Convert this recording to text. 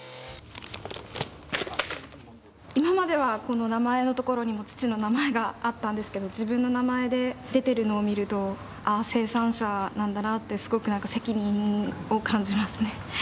今まではこの名前の所にも父の名前があったんですけど自分の名前で出てるのを見るとああ生産者なんだなってすごくなんか責任を感じますね。